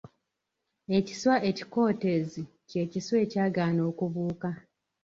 Ekiswa ekikootezi ky’ekiswa ekyagaana okubuuka.